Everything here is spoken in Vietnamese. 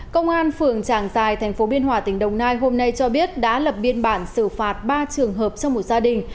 công an phường tràng giài tp biên hòa tỉnh đồng nai hôm nay cho biết đã lập biên bản xử phạt ba trường hợp trong một gia đình